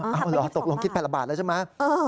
เอาเหรอตกลงคิดแผ่นละบาทแล้วใช่ไหม